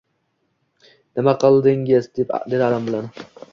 Nima qildingiz? — dedim alam bilan.